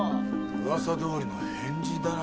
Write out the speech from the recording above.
噂どおりの変人だな。